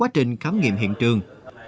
của quá trình khám nghiệm hiện trường